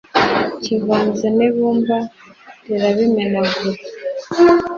kivanze n ibumba rirabimenagura